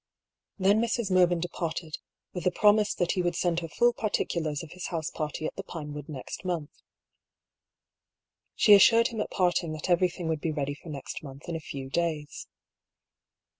Then Mrs. Mervyn departed, with the promise that "TWIXT THE CUP AND THE LIP." 223 he would send her full particulars of his house party at the Pinewood next month. She assured him at parting that everything would be ready for next month in a few days.